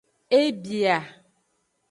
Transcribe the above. E bia.